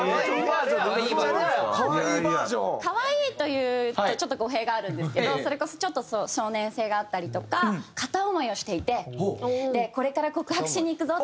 「可愛い」というとちょっと語弊があるんですけどそれこそちょっと少年性があったりとか片思いをしていてこれから告白しに行くぞ！